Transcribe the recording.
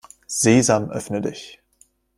Sesam, öffne dich!